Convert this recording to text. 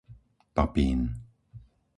Papín